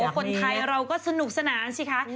คนไทยเราก็สนุกสนานสิคะ